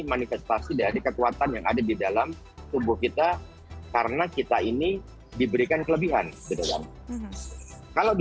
manifestasi dari kekuatan yang ada di dalam tubuh kita karena kita ini diberikan kelebihan gitu kan kalau di